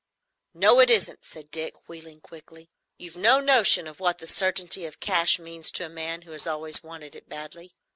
"No, it isn't," said Dick, wheeling quickly. "You've no notion what the certainty of cash means to a man who has always wanted it badly.